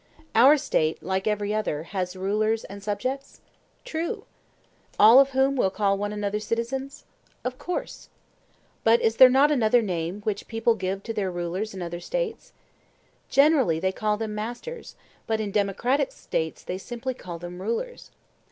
Our State like every other has rulers and subjects? True. All of whom will call one another citizens? Of course. But is there not another name which people give to their rulers in other States? Generally they call them masters, but in democratic States they simply call them rulers.